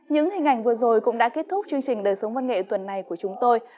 những hình ảnh vừa rồi cũng đã kết thúc chương trình đời sống văn nghệ tuần này của chúng tôi